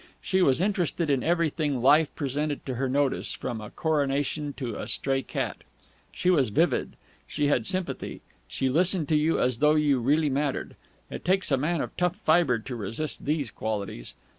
She was interested in everything Life presented to her notice, from a Coronation to a stray cat. She was vivid. She had sympathy. She listened to you as though you really mattered. It takes a man of tough fibre to resist these qualities.